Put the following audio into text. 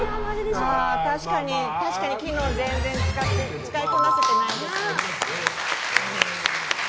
確かに機能全然使いこなせてないです。